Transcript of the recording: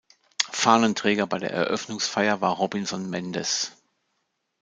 Fahnenträger bei der Eröffnungsfeier war Robinson Mendez.